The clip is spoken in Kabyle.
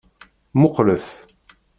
Muqqlet.